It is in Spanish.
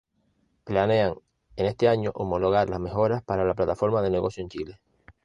Planean en este año homologar las mejoras para la plataforma de negocio en Chile.